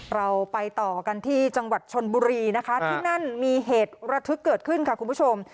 เราไปต่อกันที่จังหวัดชนบุรีนะคะที่นั่นมีเหตุระทึกเกิดขึ้นค่ะคุณผู้ชม